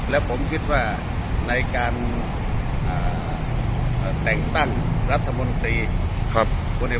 แล้วก็ผมคิดว่าในการแต่งตั้งรัฐบนศาลตลงการรัฐบนตรี